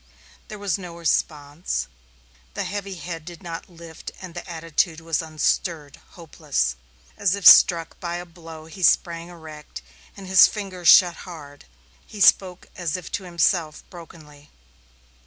There was no response. The heavy head did not lift and the attitude was unstirred, hopeless. As if struck by a blow he sprang erect and his fingers shut hard. He spoke as if to himself, brokenly.